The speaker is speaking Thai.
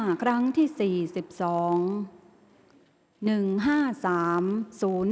ข่าวแถวรับทีวีรายงาน